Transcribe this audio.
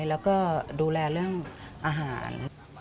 แล้วก็ดูแลเรื่องอาหาร